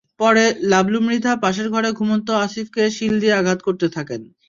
পরে লাবলু মৃধা পাশের ঘরে ঘুমন্ত আসিফকে শিল দিয়ে আঘাত করতে থাকেন।